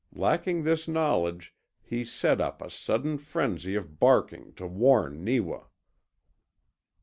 Lacking this knowledge he set up a sudden frenzy of barking to warn Neewa.